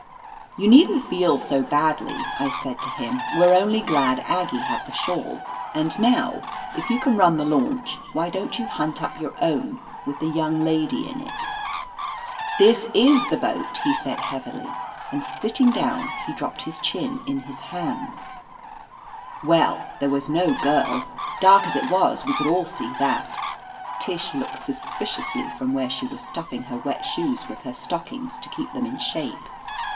"You needn't feel so badly," I said to him. "We're only glad Aggie had the shawl, and now, if you can run the launch, why don't you hunt up your own, with the young lady in it?" ''This is the boat !" he said heavily, and, sit ting down, he dropped his chin in his hands. 317 THE AMAZING ADVENTURES Well, there was no girl. Dark as it was, we could all see that Tish looked up suspiciously from where she was stuffing her wet shoes with her stockings to keep them in shape.